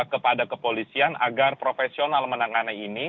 kepada kepolisian agar profesional menangani ini